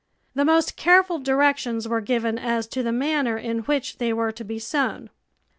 The most careful directions were given as to the manner in which they were to be sown.